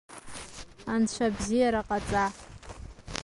Анцәа абзиара ҟаҵа!